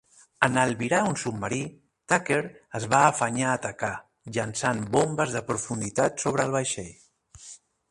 En albirar un submarí, "Tucker" es va afanyar a atacar, llançant bombes de profunditat sobre el vaixell.